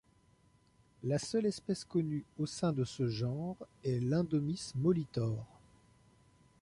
La seule espèce connue au sein de ce genre est Lundomys molitor.